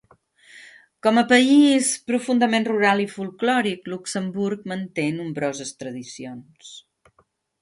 Com a país profundament rural i folklòric, Luxemburg manté nombroses tradicions.